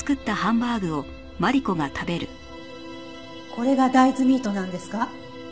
これが大豆ミートなんですか？